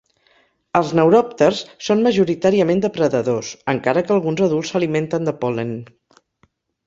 Els neuròpters són majoritàriament depredadors, encara que alguns adults s'alimenten de pol·len.